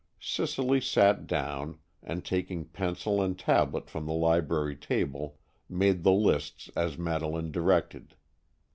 Cicely sat down, and, taking pencil and tablet from the library table, made the lists as Madeleine directed.